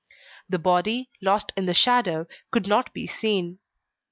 The body, lost in the shadow, could not be seen.